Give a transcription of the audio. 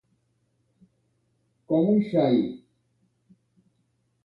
Com un xai.